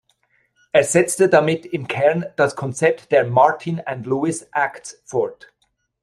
Er setzte damit im Kern das Konzept der "Martin-&-Lewis"-Acts fort.